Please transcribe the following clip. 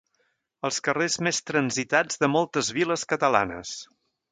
Els carrers més transitats de moltes viles catalanes.